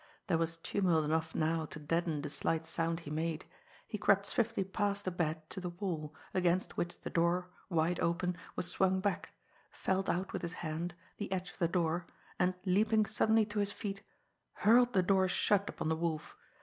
There was tumult enough now to deaden the slight sound he made. He crept swiftly past the bed to the wall, against which the door, wide open, was swung back, felt out with his hand, the edge of the door, and, leaping suddenly to his feet, hurled the door shut upon the Wolf.